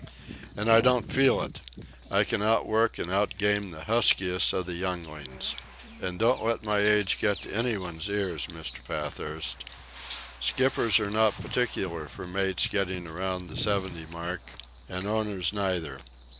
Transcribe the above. "And I don't feel it. I can outwork and outgame the huskiest of the younglings. And don't let my age get to anybody's ears, Mr. Pathurst. Skippers are not particular for mates getting around the seventy mark. And owners neither.